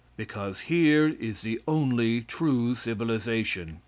Because here is the only true civilization.